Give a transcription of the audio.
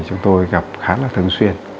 chúng tôi gặp khá là thường xuyên